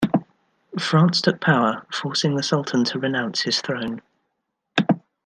France took power, forcing the sultan to renounce his throne.